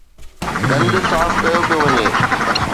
گند صاف ڪيو پيو وڃي.